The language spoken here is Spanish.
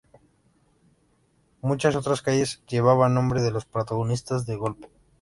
Muchas otras calles llevaban nombres de los protagonistas del golpe.